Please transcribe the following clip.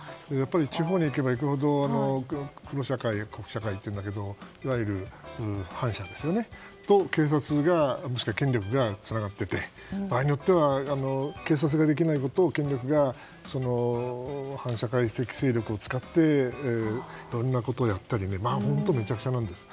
地方に行けば行くほど黒社会というんだけどいわゆる反社と警察や権力がつながっていて場合によっては警察ができないことを権力が、反社会的勢力を使っていろんなことをやったり本当めちゃくちゃなんですよ。